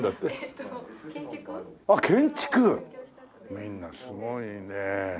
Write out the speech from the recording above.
みんなすごいね。